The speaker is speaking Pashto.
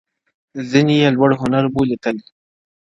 ځيني يې لوړ هنر بولي تل,